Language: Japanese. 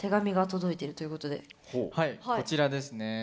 はいこちらですね。